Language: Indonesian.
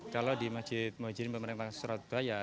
kalau di masjid al muhajirin di surabaya